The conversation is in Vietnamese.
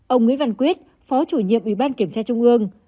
ông nguyễn văn quyết phó chủ nhiệm ủy ban kiểm tra trung ương